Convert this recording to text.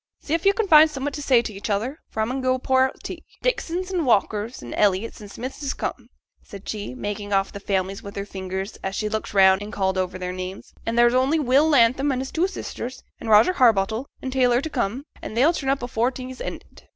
See if yo' can't find summut t' say t' each other, for I mun go pour out tea. Dixons, an' Walkers, an' Elliotts, an' Smiths is come,' said she, marking off the families on her fingers, as she looked round and called over their names; 'an' there's only Will Latham an' his two sisters, and Roger Harbottle, an' Taylor t' come; an' they'll turn up afore tea's ended.'